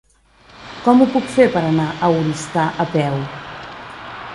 Com ho puc fer per anar a Oristà a peu?